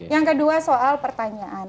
yang kedua soal pertanyaan